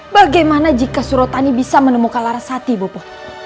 bagaimana jika surotani bisa menemukan larasati bopo